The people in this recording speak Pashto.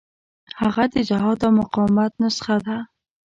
هغه د جهاد او مقاومت نسخه ده.